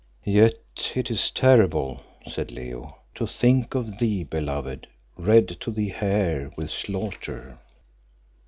"Yet it is terrible," said Leo, "to think of thee, beloved, red to the hair with slaughter."